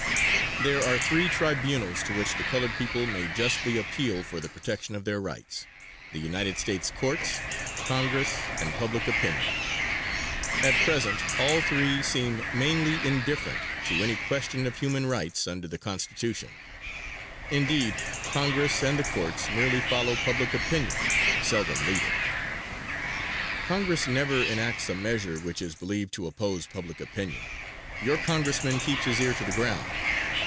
There are three tribunals to which the colored people may justly appeal for the protection of their rights: the United States Courts, Congress and public opinion. At present all three seem mainly indifferent to any question of human rights under the Constitution. Indeed, Congress and the Courts merely follow public opinion, seldom lead it. Congress never enacts a measure which is believed to oppose public opinion; your Congressman keeps his ear to the ground.